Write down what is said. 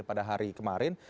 pada hari kemarin